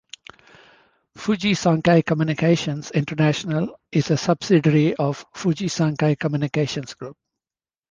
Fujisankei Communications International is a subsidiary of Fujisankei Communications Group.